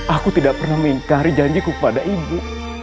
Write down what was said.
aku tidak pernah minta hari janji ku pada ibu